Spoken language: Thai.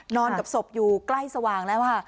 นอนกับศพอยู่ใกล้สว่างแล้วค่ะ